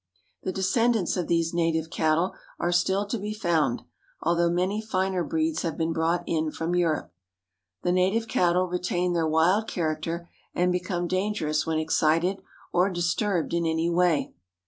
The descendants of these native cattle are still to be found, although many finer breeds have been brought in from Europe. The native cattle retain their wild character, and become dangerous when excited or disturbed in any way.